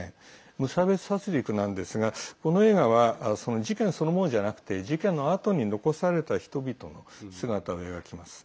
無差別殺りくなんですがこの映画は事件そのものじゃなくて事件のあとに残された人々の姿を描きます。